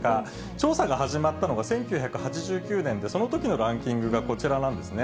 調査が始まったのが１９８９年で、そのときのランキングがこちらなんですね。